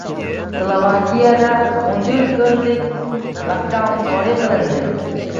Slovakiyada o'n to'rt kunlik lokdaun joriy qilindi.